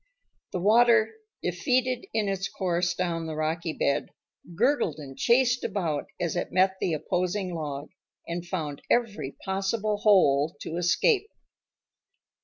The water, defeated in its course down the rocky bed, gurgled and chased about as it met the opposing log, and found every possible hole to escape.